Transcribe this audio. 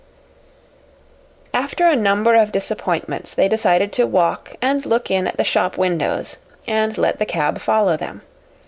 After a number of disappointments they decided to walk and look in at the shop windows and let the cab follow them.